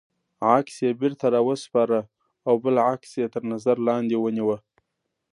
عکس یې بېرته را و سپاره او بل عکس یې تر نظر لاندې ونیوه.